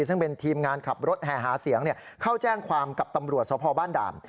ซึ่งเป็นทีมงานขับรถแห่หาเสียงเข้าแจ้งความกับตำรวจสพบ้านด่าน